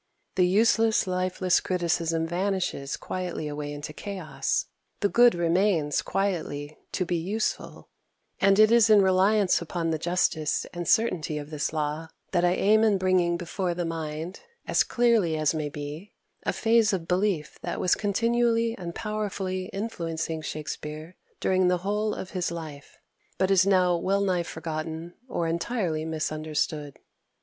The useless, lifeless criticism vanishes quietly away into chaos; the good remains quietly to be useful: and it is in reliance upon the justice and certainty of this law that I aim at bringing before the mind, as clearly as may be, a phase of belief that was continually and powerfully influencing Shakspere during the whole of his life, but is now well nigh forgotten or entirely misunderstood.